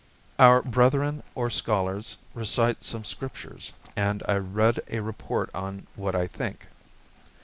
Our brethren or scholars recite some Scriptures, and I read a report on what I think."